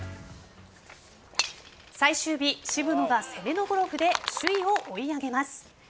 最終日、渋野が攻めのゴルフで首位を追い上げます。